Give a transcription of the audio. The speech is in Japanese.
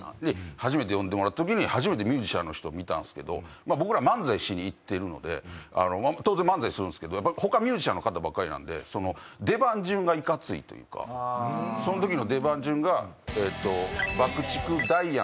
初めて呼んでもらった時に初めてミュージシャンの人を見たんですけど僕ら漫才しに行ってるので当然漫才するんですけどやっぱ他ミュージシャンの方ばっかりなんでその。というかその時の出番順が。